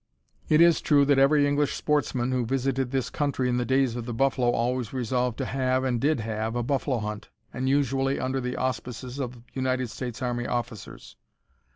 It is true that every English sportsman who visited this country in the days of the buffalo always resolved to have, and did have, "a buffalo hunt," and usually under the auspices of United States Army officers.